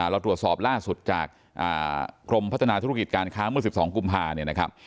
เราตรวจสอบล่าสุดจากกรมพัฒนาธุรกิจการค้าเมื่อ๑๒กุมภาเนี่ยนะครับ